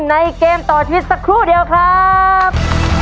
เกมต่อชีวิตสักครู่เดียวครับ